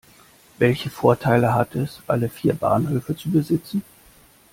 Welchen Vorteil hat es, alle vier Bahnhöfe zu besitzen?